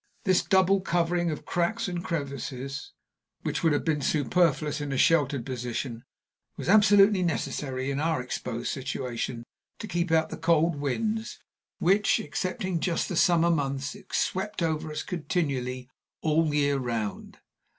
This double covering of cracks and crevices, which would have been superfluous in a sheltered position, was absolutely necessary, in our exposed situation, to keep out the cold winds which, excepting just the summer months, swept over us continually all the year round.